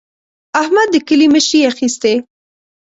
احمد د کلي مشري اخېستې.